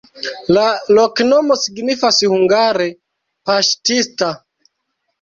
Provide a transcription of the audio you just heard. La loknomo estas hungare: paŝtista.